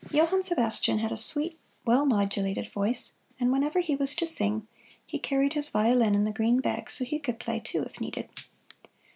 Johann Sebastian had a sweet, well modulated voice, and whenever he was to sing, he carried his violin in the green bag, so he could play, too, if needed.